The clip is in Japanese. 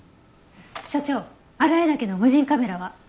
所長荒谷岳の無人カメラは？